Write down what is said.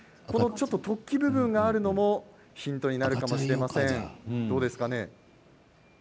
突起部分があるのもヒントになるかもしれません。